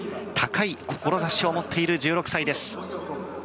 高い志を持っている１６歳です。